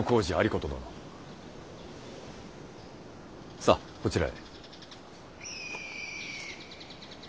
さあこちらへ。